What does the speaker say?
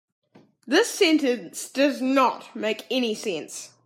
This sentence does not make any sense.